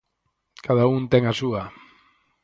¡Cada un ten a súa!